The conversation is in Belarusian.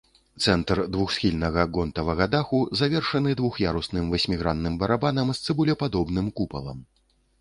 Цэнтр двухсхільнага гонтавага даху завершаны двух'ярусным васьмігранным барабанам з цыбулепадобным купалам.